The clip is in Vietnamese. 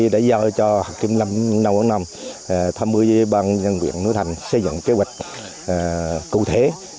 để do cho kiểm lâm núi quảng nam ba mươi băng nhân viên núi thành xây dựng kế hoạch cụ thể